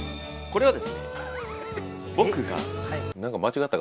これはですね